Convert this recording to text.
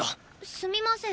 すみません。